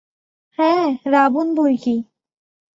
হ্যা, রাবণ বৈকি।